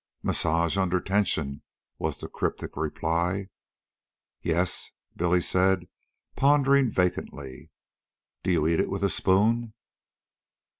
"Massage under tension," was the cryptic reply. "Yes," Billy said, pondering vacantly. "Do you eat it with a spoon?"